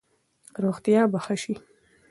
روغتیا به ښه شي.